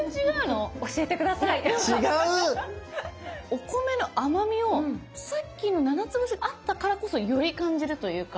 お米の甘みをさっきのななつぼしがあったからこそより感じるというか。